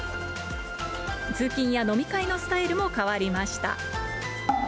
通勤や飲み会のスタイルも変わりました。